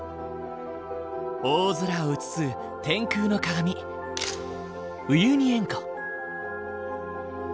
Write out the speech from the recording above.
大空を映す天空の鏡ウユニ塩湖。